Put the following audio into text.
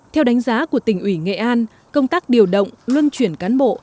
theo đánh giá của tỉnh ủy nghệ an công tác điều động luân chuyển cán bộ